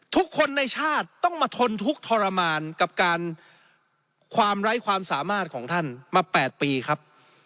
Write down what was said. ทุกคนในชาติต้องมาทนทุกข์ทรมานกับการความไร้ความสามารถของท่านมา๘ปีครับ